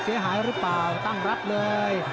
เสียหายแล้วรึเปล่าตั้งรับเลย